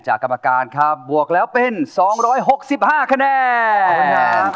กรรมการครับบวกแล้วเป็น๒๖๕คะแนน